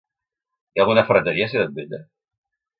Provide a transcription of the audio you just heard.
Hi ha alguna ferreteria a Ciutat Vella?